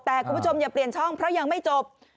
แต่คุณผู้ชมอย่าเปลี่ยนช่องเพราะยังไม่จบ